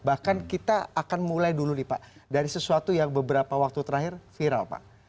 bahkan kita akan mulai dulu nih pak dari sesuatu yang beberapa waktu terakhir viral pak